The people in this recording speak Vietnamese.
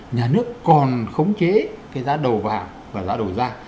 nhà nước còn khống chế cái giá đầu vào và giá đầu ra